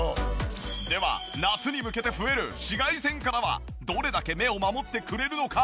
では夏に向けて増える紫外線からはどれだけ目を守ってくれるのか？